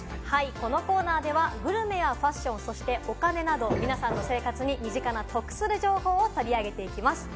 このコーナーではグルメやファッション、そしてお金など、皆さんの生活に身近な得する情報を取り上げていきます。